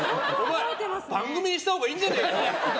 番組にしたほうがいいんじゃねえか？